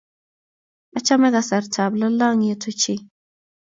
Achame kasarta ab lalangiet ochei